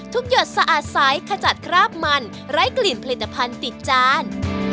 หยดสะอาดใสขจัดคราบมันไร้กลิ่นผลิตภัณฑ์ติดจาน